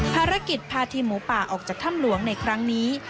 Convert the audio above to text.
ภารกิจพาทีมหมูป่าออกจากถ้ำหลวงในครั้งนี้